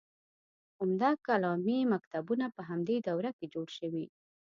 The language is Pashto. عمده کلامي مکتبونه په همدې دوره کې جوړ شوي.